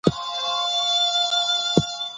ارزانه توکي د غریبو خلکو لپاره ښه دي.